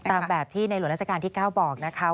ตามแบบที่ในหลวงราชการที่๙บอกนะคะ